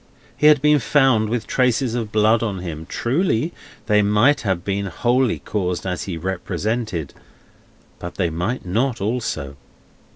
He had been found with traces of blood on him; truly, they might have been wholly caused as he represented, but they might not, also.